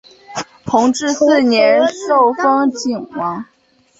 弘治四年受封泾王。